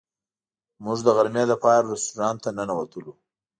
موږ د غرمې لپاره رسټورانټ ته ننوتلو.